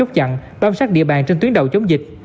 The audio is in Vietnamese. tại chốt chặn đoán sát địa bàn trên tuyến đầu chống dịch